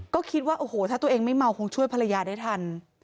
ก็คิดว่าโอ้โหถ้าตัวเองไม่เมาคงช่วยภรรยาได้ทัน